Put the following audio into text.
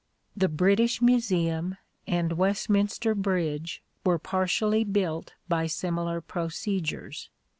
The British Museum and Westminster Bridge were partially built by similar procedures.